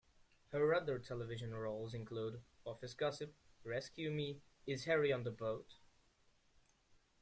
Her other television roles include "Office Gossip", "Rescue Me", "Is Harry on the Boat?